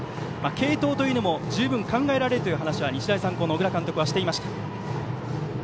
継投というのも十分考えられるという話は日大三高の小倉監督はしていました。